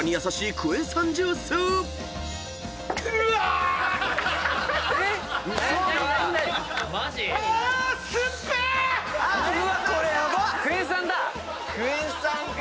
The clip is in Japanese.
クエン酸か。